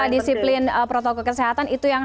disiplin protokol kesehatan itu yang